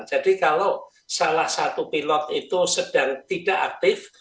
kalau salah satu pilot itu sedang tidak aktif